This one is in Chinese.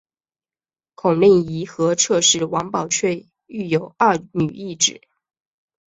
孔令贻和侧室王宝翠育有二女一子。